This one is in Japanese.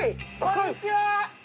こんにちは。